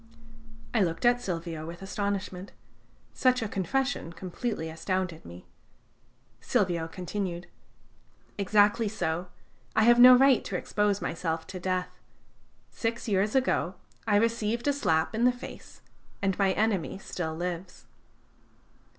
I looked at Silvio with astonishment. Such a confession completely astounded me. Silvio continued: "Exactly so: I have no right to expose myself to death. Six years ago I received a slap in the face, and my enemy still lives."